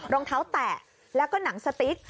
รองเท้าแตะแล้วก็หนังสติ๊ก